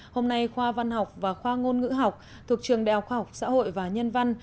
hôm nay khoa văn học và khoa ngôn ngữ học thuộc trường đại học khoa học xã hội và nhân văn